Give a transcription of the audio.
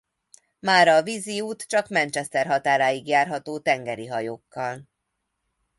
Mára a víziút csak Manchester határáig járható tengeri hajókkal.